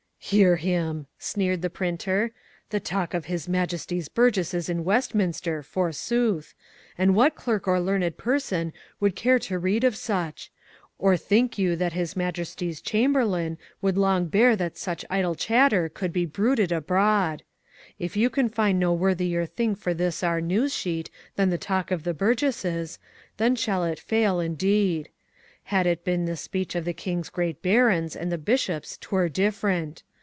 "Hear him!" sneered the printer, "the talk of his Majesty's burgesses in Westminster, forsooth! And what clerk or learned person would care to read of such? Or think you that His Majesty's Chamberlain would long bear that such idle chatter should be bruited abroad. If you can find no worthier thing for this our news sheet than the talk of the Burgesses, then shall it fail indeed. Had it been the speech of the King's great barons and the bishops 'twere different.